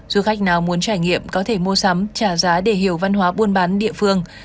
du khách nào muốn trải nghiệm có thể mua sắm trả giá để hiểu văn hóa buôn bán địa phương